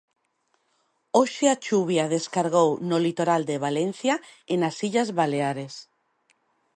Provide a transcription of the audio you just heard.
Hoxe a chuvia descargou no litoral de Valencia e nas illas Baleares.